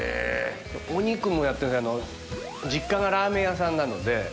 お肉もやってるんですけど実家がラーメン屋さんなので。